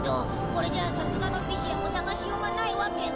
これじゃさすがのピシアも探しようがないわけだ。